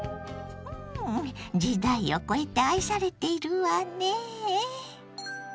時代を超えて愛されているわね。